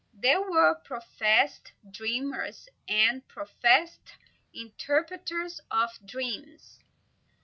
There were professed dreamers, and professed interpreters of dreams.